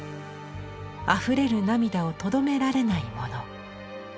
あふれる涙をとどめられない者。